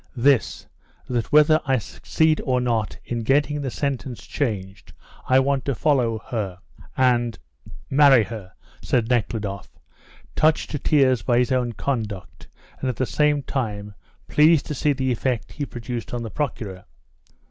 "This: that whether I succeed or not in getting the sentence changed I want to follow her, and marry her," said Nekhludoff, touched to tears by his own conduct, and at the same time pleased to see the effect he produced on the Procureur.